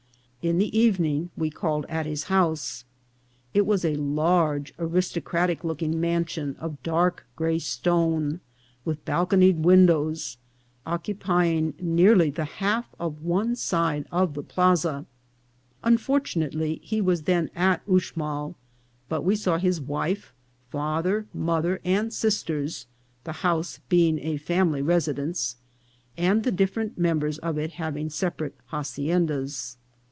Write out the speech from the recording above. In the evening we called at his house. It was a large, aristocratic looking mansion of dark gray stone, with balconied windows, occupying nearly the half of one side of the plaza. Unfortunately, he was then at Uxmal ; but we saw his wife, father, mother, and sisters, the house being a family residence, and the different members of it having separate haciendas.